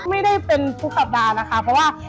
ไม่ได้เป็นทุกสัปดาห์นะคะเพราะว่า